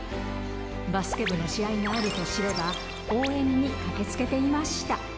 バスケ部の試合があると知れば、応援に駆けつけていました。